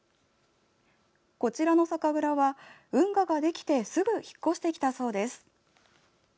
こちらの酒蔵は運河ができてすぐ引っ越してきたそうです。